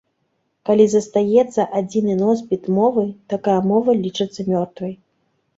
Калі застаецца адзіны носьбіт мовы, такая мова лічыцца мёртвай.